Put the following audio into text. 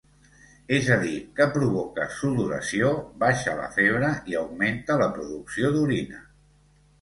És a dir, que provoca sudoració, baixa la febre i augmenta la producció d'orina.